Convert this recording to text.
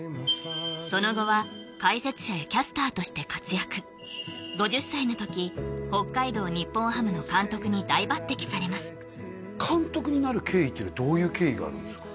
その後は解説者やキャスターとして活躍５０歳の時北海道日本ハムの監督に大抜擢されます監督になる経緯っていうのはどういう経緯があるんですか？